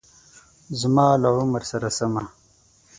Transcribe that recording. زما له عمر سره سمه